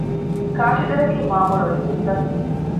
ކާށިތެލަކީ މާ މޮޅު އެއްޗެއްތަ؟